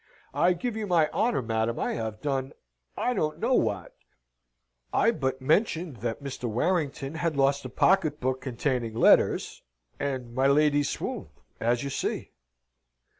"I give you my honour, madam, I have done I don't know what. I but mentioned that Mr. Warrington had lost a pocket book containing letters, and my lady swooned, as you see."